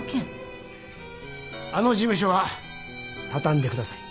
あの事務所は畳んでください